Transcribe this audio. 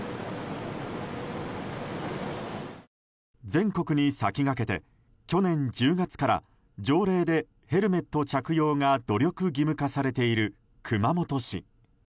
全国に先駆けて去年１０月から条例でヘルメット着用が努力義務化されている熊本市。